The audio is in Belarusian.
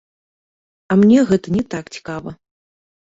А мне гэта не так цікава.